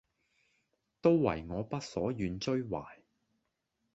都爲我所不願追懷，